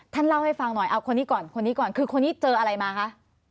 ท่านเล่าให้ฟังหน่อยคนนี้ก่อนคนนี้เจออะไรมาคะ